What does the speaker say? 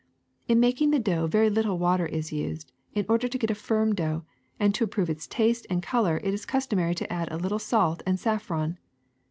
In making the dough very little water is used, in order to get a firm dough; and to improve its taste and color it is customary to add a little salt and saffron.